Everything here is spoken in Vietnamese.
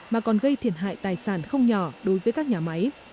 mà còn gây thiền hại tài sản không nhỏ đối với các nhà máy